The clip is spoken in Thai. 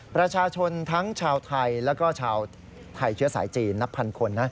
ประชาชนทั้งชาวไทยแล้วก็ชาวไทยเชื้อสายจีนนับพันคนนะ